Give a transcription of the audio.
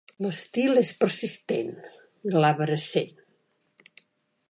L'estil és persistent, glabrescent.